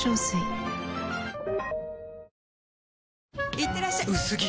いってらっしゃ薄着！